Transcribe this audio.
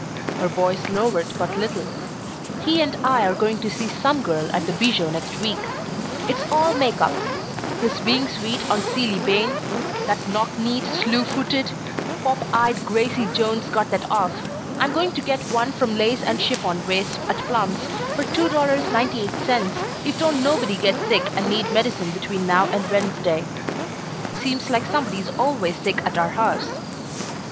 Her voice lowered but little. "He and I are going to see 'Some Girl' at the Bijou next week. It's all make up his being sweet on Ceeley Bayne! That knock kneed, slew footed, pop eyed Gracie Jones got that off. I'm going to get one them lace and chiffon waists at Plum's for $2.98 if don't nobody get sick and need medicine between now and Wednesday. Seems like somebody's always sick at our house."